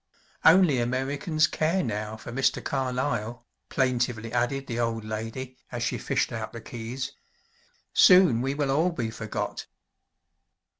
"Only Americans care now for Mr. Carlyle," plaintively added the old lady as she fished out the keys; "soon we will all be forgot."